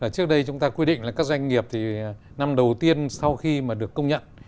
trước đây chúng ta quy định là các doanh nghiệp thì năm đầu tiên sau khi mà được công nhận